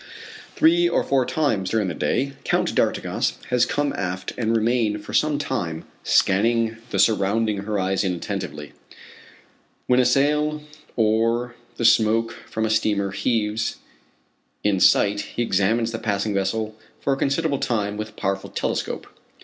Three or four times during the day Count d'Artigas has come aft and remained for some time scanning the surrounding horizon attentively. When a sail or the smoke from a steamer heaves in sight he examines the passing vessel for a considerable time with a powerful telescope.